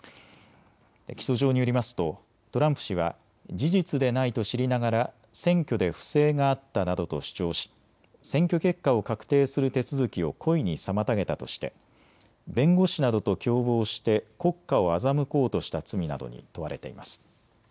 起訴状によりますとトランプ氏は事実でないと知りながら選挙で不正があったなどと主張し選挙結果を確定する手続きを故意に妨げたとして弁護士などと共謀して国家を欺こうとした罪などに問われています。